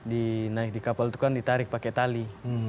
di naik di kapal itu kan ditarik pakai tali